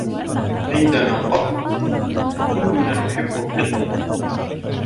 عندنا قط. كلنا نحب القطط.